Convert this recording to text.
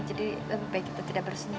jadi lebih baik kita tidak bersenyum